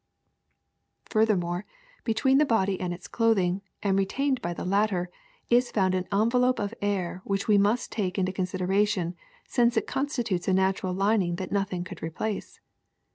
^^Furthermore, between the body and its clothing, and retained by the latter, is found an envelop of air which we must take into consideration since it con stitutes a natural lining that nothing could replace.